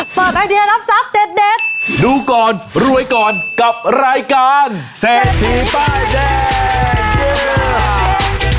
เปิดไอเดียรับทรัพย์เด็ดดูก่อนรวยก่อนกับรายการเศรษฐีป้ายแดง